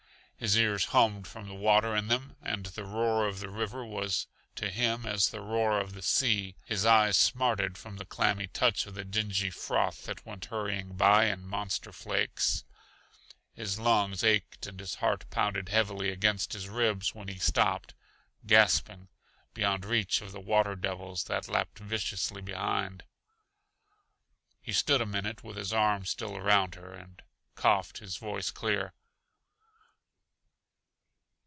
His ears hummed from the water in them, and the roar of the river was to him as the roar of the sea; his eyes smarted from the clammy touch of the dingy froth that went hurrying by in monster flakes; his lungs ached and his heart pounded heavily against his ribs when he stopped, gasping, beyond reach of the water devils that lapped viciously behind. He stood a minute with his arm still around her, and coughed his voice clear.